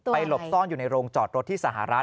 หลบซ่อนอยู่ในโรงจอดรถที่สหรัฐ